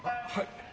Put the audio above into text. はい。